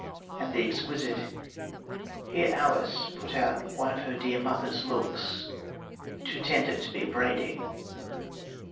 And the exquisite: "Here Alice put out one of her dear mother's looks, too tender to be upbraiding."